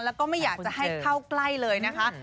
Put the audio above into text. แล้วก็ไม่อยากจะให้เข้าใกล้เลยนะคะ